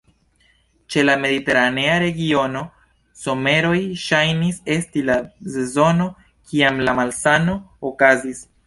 Ĉe la Mediteranea Regiono, someroj ŝajnis esti la sezono kiam la malsano okazis.